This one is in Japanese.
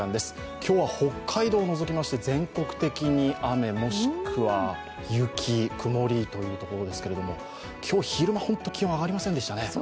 今日は北海道をのぞきまして全国的に雨、雪、曇りというところですけれども今日昼間、本当に気温上がりませんでしたね。